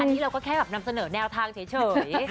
อันนี้เราก็แค่แบบนำเสนอแนวทางเฉย